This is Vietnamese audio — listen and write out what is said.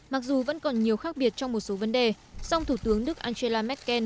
mặc dù vẫn còn nhiều khác biệt trong một số vấn đề song thủ tướng đức angela merkel